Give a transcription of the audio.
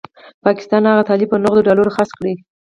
پاکستان هغه طالب په نغدو ډالرو خرڅ کړ.